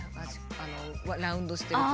あのラウンドしてると。